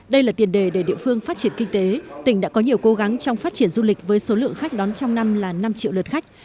đây là tiền đề để địa phương phát triển kinh tế tỉnh đã có nhiều cố gắng trong phát triển du lịch với số lượng khách đón trong năm là năm triệu lượt khách